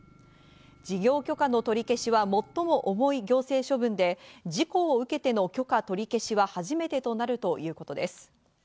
事業許可の取り消しは最も重い行政処分で、事故を受けての許可取り消しは初めてとなるということです。